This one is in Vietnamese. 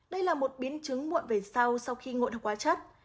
đây là một biến chứng muộn về sau sau khi ngộ độc hóa chất